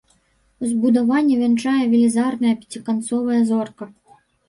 Збудаванне вянчае велізарная пяціканцовая зорка.